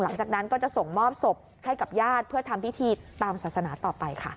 หลังจากนั้นก็จะส่งมอบศพให้กับญาติเพื่อทำพิธีตามศาสนาต่อไปค่ะ